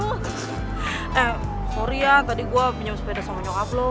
eh sorry ya tadi gue pinjam sepeda sama nyokap loh